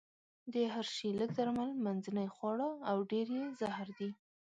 د هر شي لږ درمل، منځنۍ خواړه او ډېر يې زهر دي.